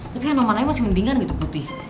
tapi hanuman aja masih mendingan gitu putih